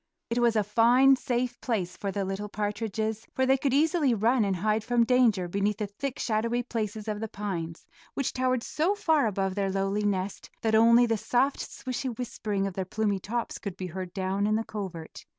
It was a fine, safe place for the little partridges, for they could easily run and hide from danger beneath the thick shadowy places of the pines, which towered so far above their lowly nest that only the soft, swishy whispering of their plumy tops could be heard down in the covert.